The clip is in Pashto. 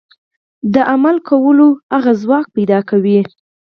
د عمل کولو هغه ځواک پيدا کوي.